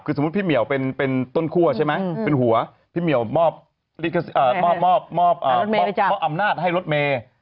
คือสมมุติพี่เหมียวเป็นต้นคั่วใช่ไหมเป็นหัวพี่เหมียวมอบอำนาจให้รถเมย์